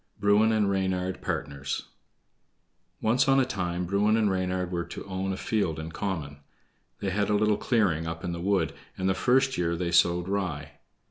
Bruin and Reynard Partners Once on a time Bruin and Reynard were to own a field in common. They had a little clearing up in the wood, and the first year they sowed rye.